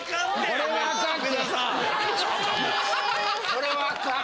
これはあかん。